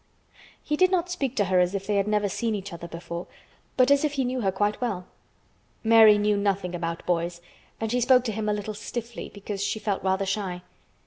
He did not speak to her as if they had never seen each other before but as if he knew her quite well. Mary knew nothing about boys and she spoke to him a little stiffly because she felt rather shy.